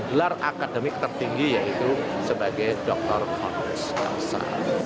gelar akademik tertinggi yaitu sebagai doktor honoris causa